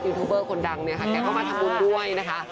ทูบเบอร์คนดังเนี่ยค่ะแกเข้ามาทำบุญด้วยนะคะ